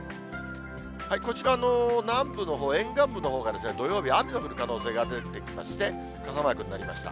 こちら、南部のほう、沿岸部のほうが、土曜日、雨の降る可能性が出てきまして、傘マークになりました。